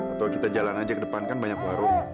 atau kita jalan aja ke depan kan banyak warung